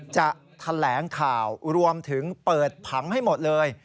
จะแถลงข่าวรวมถึงเปิดผังให้หมดเลย